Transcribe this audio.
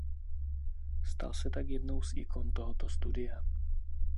Stal se tak jednou z ikon tohoto studia.